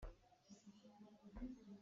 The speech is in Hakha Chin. Anmah te pawl nih cun an in tluk rih lai lo.